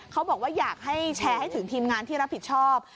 เขาบอกว่าอยากให้แชร์ให้ถึงทีมงานที่รับผิดชอบ